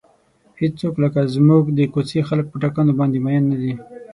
هیڅوک لکه زموږ د کوڅې خلک په ټاکنو باندې مین نه دي.